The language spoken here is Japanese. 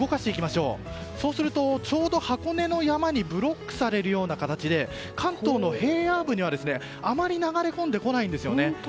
そうするとちょうど箱根の山にブロックされる形で関東の平野部にはあまり流れ込んでこないんです。